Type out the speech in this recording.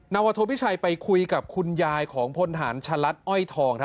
วโทพิชัยไปคุยกับคุณยายของพลฐานชะลัดอ้อยทอง